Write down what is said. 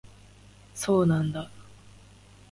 そうなんだ